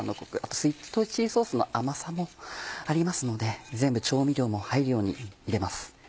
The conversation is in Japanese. スイートチリソースの甘さもありますので全部調味料も入るように入れます。